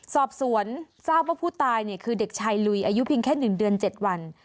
สอบสวนทราบว่าผู้ตายคือเด็กชายลุยอายุเพียงแค่๑เดือน๗วัน